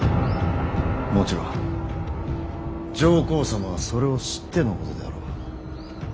もちろん上皇様はそれを知ってのことであろう。